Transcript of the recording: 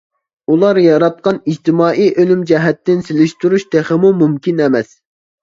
ئۇلار ياراتقان ئىجتىمائىي ئۈنۈم جەھەتتىن سېلىشتۇرۇش تېخىمۇ مۇمكىن ئەمەس.